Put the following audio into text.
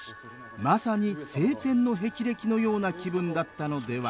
まさに青天の霹靂のような気分だったのでは？